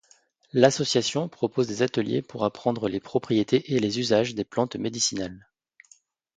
L'association propose des ateliers pour apprendre les propriétés et les usages des plantes médicinales.